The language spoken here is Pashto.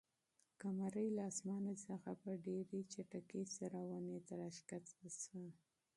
قمرۍ له اسمانه څخه په ډېرې چټکۍ سره ونې ته راښکته شوه.